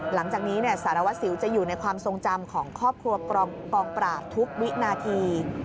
หลังจากนี้สารวัสสิวจะอยู่ในความทรงจำของครอบครัวกองปราบทุกวินาที